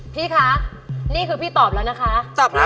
พี่คะนี่คือพี่ตอบแล้วนะคะ